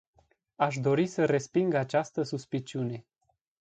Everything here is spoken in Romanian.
Aș dori să resping această suspiciune.